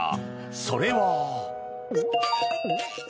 それは。